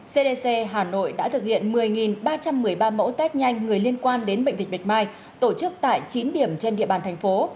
cdc hà nội đã thực hiện một mươi ba trăm một mươi ba mẫu test nhanh người liên quan đến bệnh viện bạch mai tổ chức tại chín điểm trên địa bàn thành phố